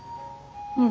うん。